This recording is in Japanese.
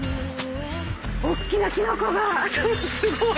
大っきなキノコがすごい！